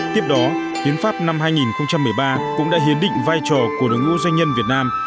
tiếp đó hiến pháp năm hai nghìn một mươi ba cũng đã hiến định vai trò của đội ngũ doanh nhân việt nam